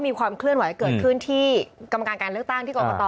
มีความเคลื่อนไหวเกิดขึ้นที่กรรมการการเลือกตั้งที่กรกต